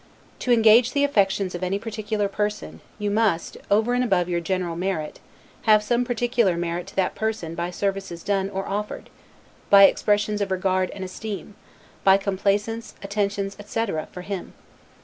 To engage the affections of any particular person, you must, over and above your general merit, have some particular merit to that person by services done, or offered; by expressions of regard and esteem; by complaisance, attentions, etc., for him.